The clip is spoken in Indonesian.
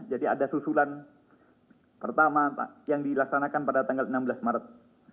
jadi ada susulan pertama yang dilaksanakan pada tanggal enam belas maret